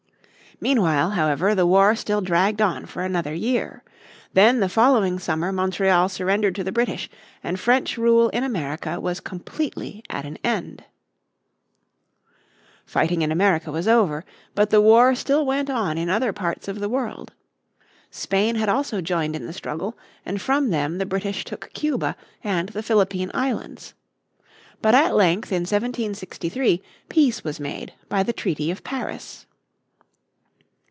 Meanwhile, however, the war still dragged on for another year. Then the following summer Montreal surrendered to the British, and French rule in America was completely at an end. Fighting in America was over. But the war still went on in other parts of the world. Spain had also joined in the struggle, and from them the British took Cuba and the Philippine Islands. But at length in 1763 peace was made by the Treaty of Paris.